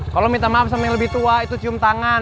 kalau minta maaf sama yang lebih tua itu cium tangan